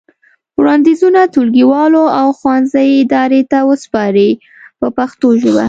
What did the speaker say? وړاندیزونه ټولګیوالو او ښوونځي ادارې ته وسپارئ په پښتو ژبه.